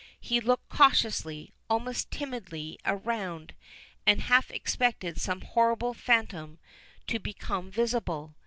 He looked cautiously, almost timidly, around, and half expected some horrible phantom to become visible.